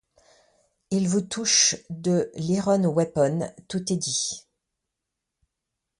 Il vous touche de l’iron-weapon, tout est dit.